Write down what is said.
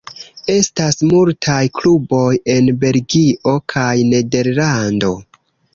Estas multaj kluboj en Belgio kaj Nederlando.